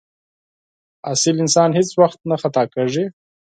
اصیل انسان هېڅ وخت نه خطا کېږي.